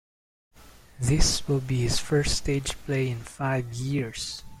This will be his first stage play in five years.